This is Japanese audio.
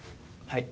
はい。